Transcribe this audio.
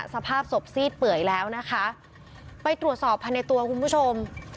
สภาพศพซีดเปื่อยแล้วนะคะไปตรวจสอบภายในตัวคุณผู้ชม